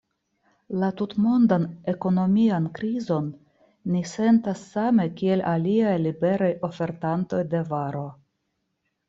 La tutmondan ekonomian krizon ni sentas same kiel aliaj liberaj ofertantoj de varo.